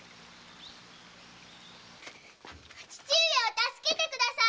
父上を助けてください！